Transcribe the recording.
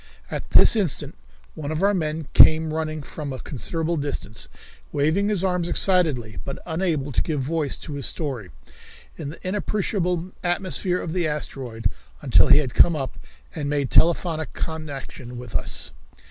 At this instant one of our men came running from a considerable distance, waving his arms excitedly, but unable to give voice to his story, in the inappreciable atmosphere of the asteroid, until he had come up and made telephonic connection with us.